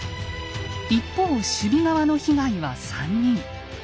一方守備側の被害は３人。